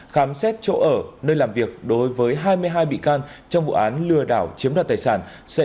khám xét chỗ ở nơi làm việc đối với hai mươi hai bị can trong vụ án lừa đảo chiếm đoạt tài sản